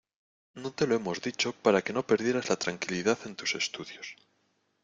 No te lo hemos dicho para que no perdieras la tranquilidad en tus estudios.